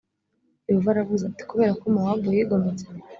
yehova aravuze ati kubera ko mowabu yigometse